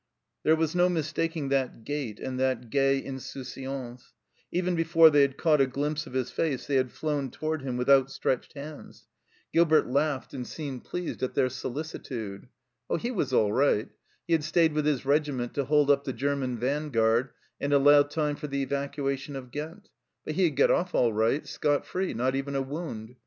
There was no mistaking that gait and that gay insouciance ; even before they had caught a glimpse of his face they had flown toward him with outstretched hands. Gilbert laughed and seemed THE RETREAT 55 pleased at their solicitude. Oh, he was all right. He had stayed with his regiment to hold up the German vanguard and allow time for the evacua tion of Ghent ; but he had got off all right, scot free, not even a wound.